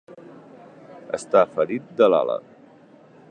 Estar ferit de l'ala.